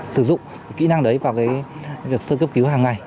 sử dụng kỹ năng đấy vào việc sơ cấp cứu hàng ngày